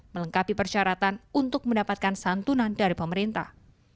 melengkapi persyaratan untuk mendapatkan santunan dari pemerintah